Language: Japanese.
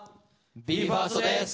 ＢＥ：ＦＩＲＳＴです。